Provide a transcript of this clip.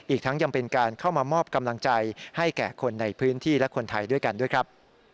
อีกทั้งยังเป็นการเข้ามามอบกำลังใจให้แก่คนในพื้นที่และคนไทยด้วยกันด้วยครับ